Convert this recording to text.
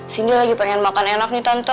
sindi lagi pengen makan enak nih tante